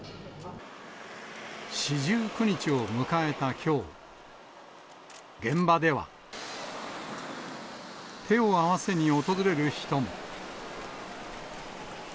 四十九日を迎えたきょう、現場では手を合わせに訪れる人も。